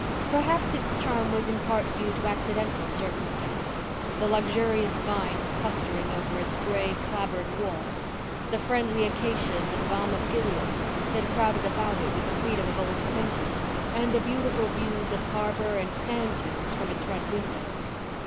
Perhaps its charm was in part due to accidental circumstances—the luxuriant vines clustering over its gray, clap boarded walls, the friendly acacias and balm of gileads that crowded about it with the freedom of old acquaintance, and the beautiful views of harbour and sand dunes from its front windows.